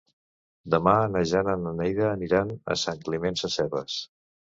Demà na Jana i na Neida aniran a Sant Climent Sescebes.